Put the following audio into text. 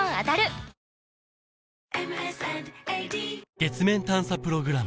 月面探査プログラム